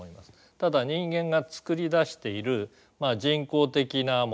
ただ人間が作り出している人工的なもの